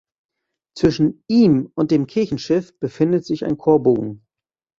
Zwischen ihm und dem Kirchenschiff befindet sich ein Chorbogen.